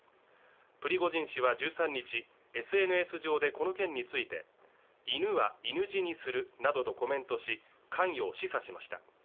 プリゴジン氏は１３日ＳＮＳ上でこの件について「犬は犬死にする」などとコメントし、関与を示唆しました。